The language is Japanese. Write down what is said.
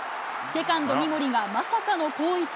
セカンド、三森がまさかの後逸。